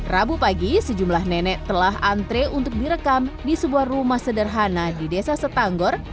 rabu pagi sejumlah nenek telah antre untuk direkam di sebuah rumah sederhana di desa setanggor